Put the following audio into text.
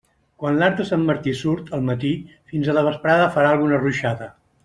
Quan l'arc de Sant Martí surt el matí, fins a la vesprada farà alguna ruixada.